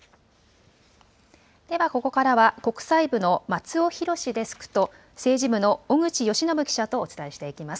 ではここからは、国際部の松尾寛デスクと、政治部の小口佳伸記者とお伝えしていきます。